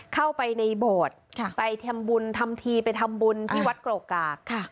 เข้าไปในโบสถ์ไปทำบุญทำทีไปทำบุญที่วัดโกรกกาก